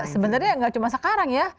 sebenarnya nggak cuma sekarang ya